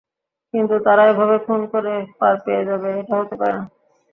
কিন্তু তারা এভাবে খুন করে পার পেয়ে যাবে, এটা হতে পারে না।